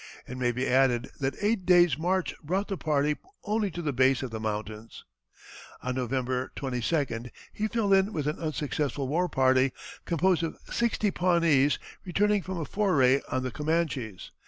It may be added that eight days' march brought the party only to the base of the mountains. On November 22d he fell in with an unsuccessful war party, composed of sixty Pawnees, returning from a foray on the Comanches.